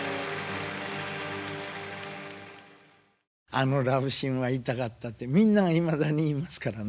「あのラブシーンは痛かった」ってみんながいまだに言いますからね。